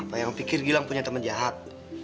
apa yang pikir gilang punya teman jahat